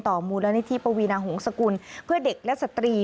มูลนิธิปวีนาหงษกุลเพื่อเด็กและสตรี